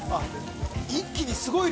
一気にすごい量。